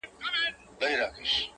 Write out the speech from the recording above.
چي په کال کي یې هر څه پیسې گټلې.!